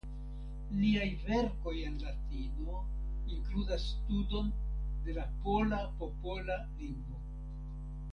Liaj verkoj en Latino inkludas studon de la pola popola lingvo.